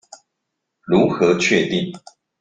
如何確定？